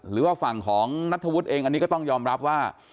หรือว่าฝั่งของนัทธวุฒิเองอันนี้ก็ต้องยอมรับว่า